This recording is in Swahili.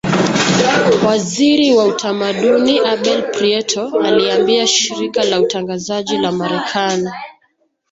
Waziri wa utamaduni Abel Prieto aliiambia shirika la utangazaji la marekani